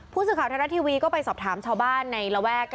ผู้สื่อข่าวไทยรัฐทีวีก็ไปสอบถามชาวบ้านในระแวก